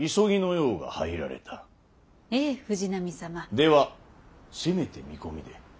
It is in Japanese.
ではせめて見込みで。